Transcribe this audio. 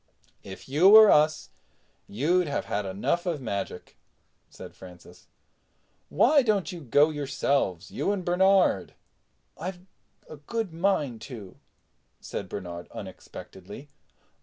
"If you were us, you'd have had enough of magic," said Francis. "Why don't you go yourselves—you and Bernard." "I've a good mind to," said Bernard unexpectedly.